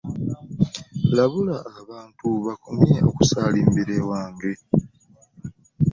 Labula abantu bakomye okusaalimbira ewange.